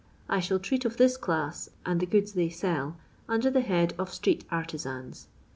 I shall treat of this chiss and the goods they sell under the head of Street^Artisans.